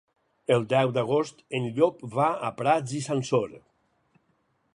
El deu d'agost en Llop va a Prats i Sansor.